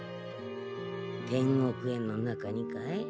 天獄園の中にかい？